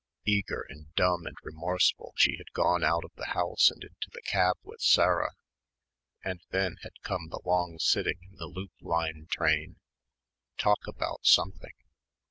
Eager and dumb and remorseful she had gone out of the house and into the cab with Sarah, and then had come the long sitting in the loop line train ... "talk about something"